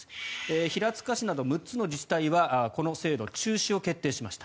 平塚市など６つの自治体はこの制度の中止を決定しました。